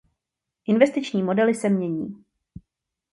Investiční modely se mění.